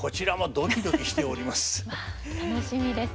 楽しみです。